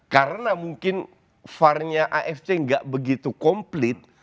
karena mungkin far nya afc gak begitu komplit